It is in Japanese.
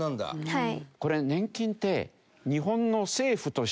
はい。